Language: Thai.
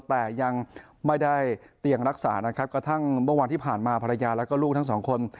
แต่ยังไม่ได้เตียงรักษานะครับกระทั่งเมื่อวานที่ผ่านมาภรรยาแล้วก็ลูกทั้งสองคน